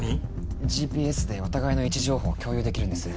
ＧＰＳでお互いの位置情報を共有できるんです。